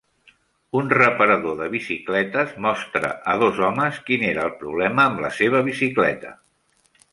Un reparador de bicicletes mostra a dos homes quin era el problema amb la seva bicicleta.